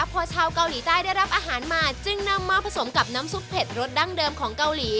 พอชาวเกาหลีใต้ได้รับอาหารมาจึงนำมาผสมกับน้ำซุปเผ็ดรสดั้งเดิมของเกาหลี